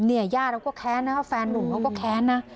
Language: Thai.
เนี่ยย่าแล้วก็แค้นนะครับแฟนหนุ่มเขา